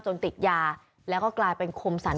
ติดยาแล้วก็กลายเป็นคมสรรค